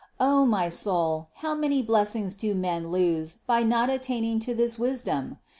O my soul, how many blessings do men lose by not attaining to this wisdom!